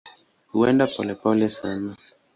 Huenda polepole sana.